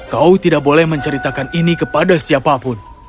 kau tidak boleh menceritakan ini kepada siapapun